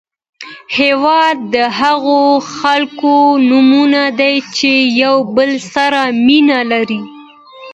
هېواد د هغو خلکو نوم دی چې یو بل سره مینه لري.